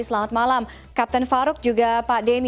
selamat malam kapten farouk juga pak denny